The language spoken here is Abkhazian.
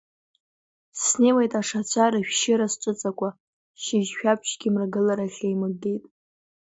Снеиуеит ашацәа рышәшьыра сҽыҵакуа, шьыжь шәаԥшьгьы мрагыларахь еимыггеит.